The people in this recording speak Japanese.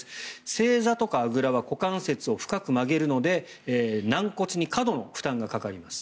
正座とかあぐらは股関節を深く曲げるので軟骨に過度の負担がかかります。